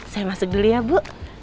saya masuk dulu ya bu